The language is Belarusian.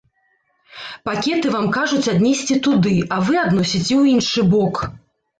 Пакеты вам кажуць аднесці туды, а вы адносіце ў іншы бок.